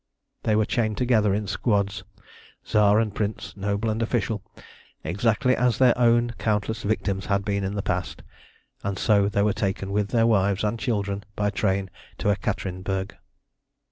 They were chained together in squads, Tsar and prince, noble and official, exactly as their own countless victims had been in the past, and so they were taken with their wives and children by train to Ekaterinenburg.